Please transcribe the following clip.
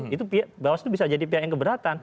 itu bawaslu bisa jadi pihak yang keberatan